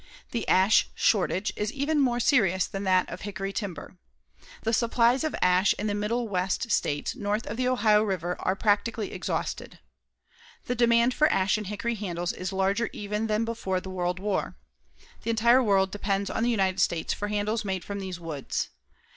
The ash shortage is even more serious than that of hickory timber. The supplies of ash in the Middle West States north of the Ohio River are practically exhausted. The demand for ash and hickory handles is larger even than before the World War. The entire world depends on the United States for handles made from these woods.